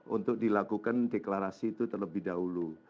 untuk dilakukan deklarasi itu terlebih dahulu